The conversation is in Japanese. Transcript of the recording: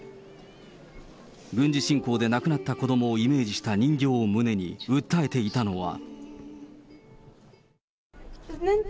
軍事侵攻で亡くなった子どもをイメージした人形を胸に、訴えていたのは。